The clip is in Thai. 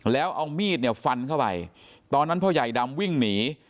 แล้วเอามีดเนี่ยฟันเข้าไปตอนนั้นพ่อใหญ่ดำวิ่งหนี